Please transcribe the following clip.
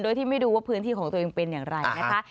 โดยที่ไม่รู้ว่าพื้นที่ของตัวเองเป็นอย่างไรนะคะ